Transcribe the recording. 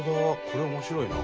これ面白いな。